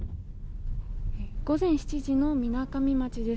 午前７時のみなかみ町です。